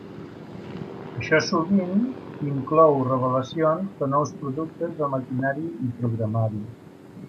Això sovint inclou revelacions de nous productes de maquinari i programari.